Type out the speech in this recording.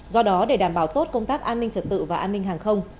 do đó để đảm bảo tốt công tác an ninh trật tự và an ninh hàng không